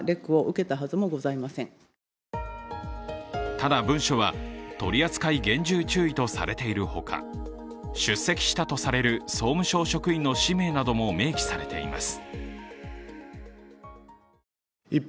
ただ文書は取扱厳重注意とされているほか、出席したとされる総務省職員の氏名なども明記されています。